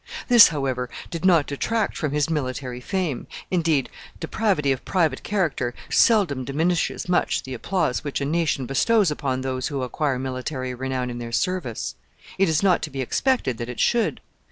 This, however, did not detract from his military fame. Indeed, depravity of private character seldom diminishes much the applause which a nation bestows upon those who acquire military renown in their service. It is not to be expected that it should.